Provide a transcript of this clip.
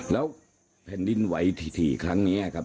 แล้วแผ่นดินไหวถี่ครั้งนี้ครับ